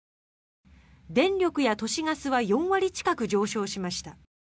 電力や都市ガスは４割近く上昇しました。